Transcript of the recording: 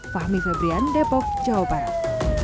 fahmi febrian depok jawa barat